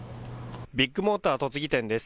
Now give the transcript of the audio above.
ビッグモーター栃木店です。